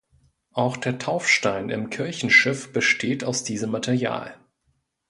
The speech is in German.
Auch der Taufstein im Kirchenschiff besteht aus diesem Material.